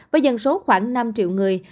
với dần số khoảng năm triệu người